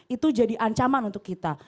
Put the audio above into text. itu jadi ancaman untuk kita